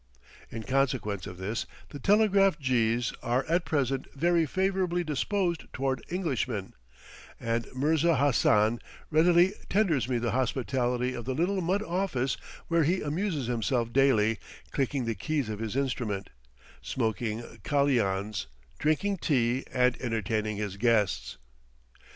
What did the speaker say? In consequence of this, the telegraph jees are at present very favorably disposed toward Englishmen, and Mirza Hassan readily tenders me the hospitality of the little mud office where he amuses himself daily clicking the keys of his instrument, smoking kalians, drinking tea, and entertaining his guests.